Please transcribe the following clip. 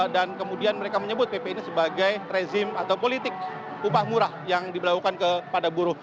dan kemudian mereka menyebut pp ini sebagai rezim atau politik upah murah yang diberlakukan kepada buruh